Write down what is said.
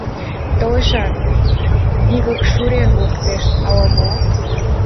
Толешат, вигак шурен луктеш ала-мо?..